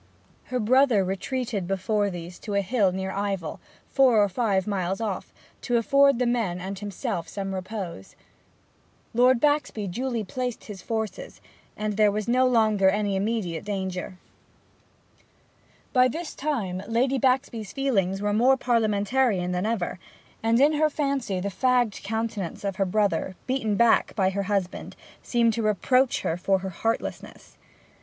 Her brother retreated before these to a hill near Ivell, four or five miles off, to afford the men and himself some repose. Lord Baxby duly placed his forces, and there was no longer any immediate danger. By this time Lady Baxby's feelings were more Parliamentarian than ever, and in her fancy the fagged countenance of her brother, beaten back by her husband, seemed to reproach her for heartlessness.